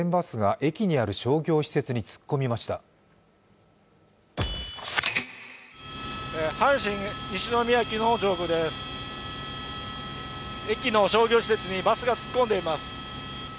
駅の商業施設にバスが突っ込んでいます。